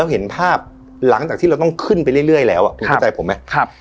เราเห็นภาพหลังจากที่เราต้องขึ้นไปเรื่อยเรื่อยแล้วอ่ะคุณเข้าใจผมไหมครับ